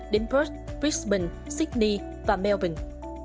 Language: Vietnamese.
đến perth brisbane sydney và melbourne